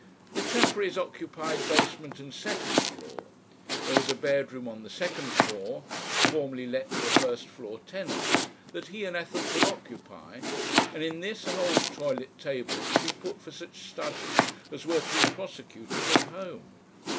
The Chafferys occupied basement and second floor. There was a bedroom on the second floor, formerly let to the first floor tenants, that he and Ethel could occupy, and in this an old toilet table could be put for such studies as were to be prosecuted at home.